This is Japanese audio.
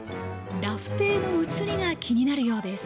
ラフテーの映りが気になるようです。